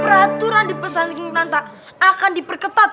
peraturan di pesan inggranta akan diperketat